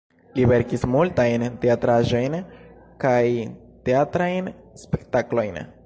Li verkis multajn teatraĵojn kaj teatrajn spektaklojn.